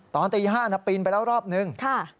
ตอนตี๕ปีไปแล้วรอบนึง